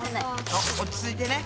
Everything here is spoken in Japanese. そう落ち着いてね。